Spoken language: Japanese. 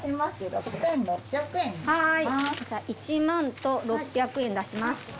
１万と６００円出します。